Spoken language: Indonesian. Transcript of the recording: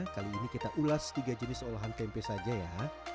kali ini kita ulas tiga jenis olahan tempe saja ya